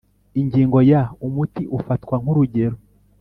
Ingingo ya umuti ufatwa nk urugero